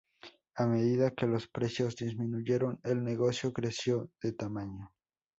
A medida que los precios disminuyeron, el negocio creció de tamaño.